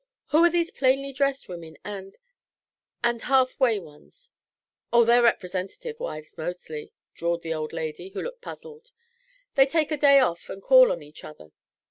Who are these plainly dressed women and and half way ones?" "Oh, they're Representatives' wives mostly," drawled the old lady, who looked puzzled. "They take a day off and call on each other.